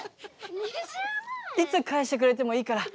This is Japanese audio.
いつ返してくれてもいいから。